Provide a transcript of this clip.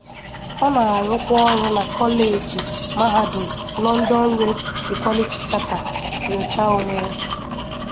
Ọ na-arụkwa ọrụ na kọleji Mahadum London Race Equality Charter nyocha onwe.